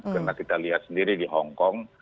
karena kita lihat sendiri di hongkong